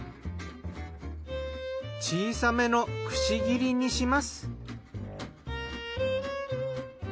小さめのくし切りにします。